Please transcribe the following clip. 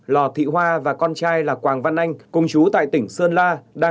lò thị hoa và con trai là quảng văn anh công chú tại tỉnh sơn la